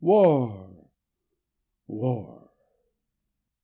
War! War!